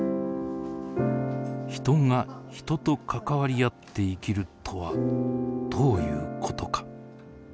人が人と関わり合って生きるとはどういうことか。